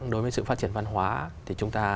đối với sự phát triển văn hóa thì chúng ta